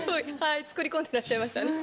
作り込んでらっしゃいましたね。